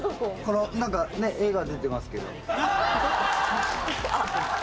このなんか絵が出てますけど。